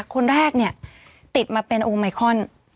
คนแรกเนี่ยติดมาเป็นโอไมคอน